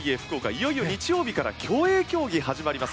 いよいよ日曜日から競泳競技が始まります。